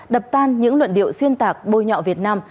đập tan những luận điệu xuyên tạc bôi nhọ việt nam